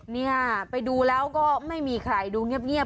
เนี่ยไปดูแล้วก็ไม่มีใครดูเงียบ